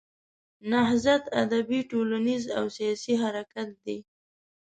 نهضت ادبي، ټولنیز او سیاسي حرکت دی.